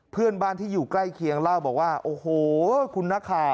เพื่อนบ้านที่อยู่ใกล้เคียงเล่าบอกว่าโอ้โหคุณนักข่าว